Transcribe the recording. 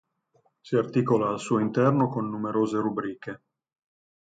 Si articola al suo interno con numerose rubriche.